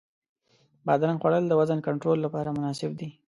بادرنګ خوړل د وزن کنټرول لپاره مناسب دی.